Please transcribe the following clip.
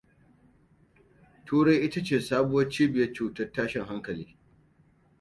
Turai ita ce sabon cibiyar cutar tashin hankali.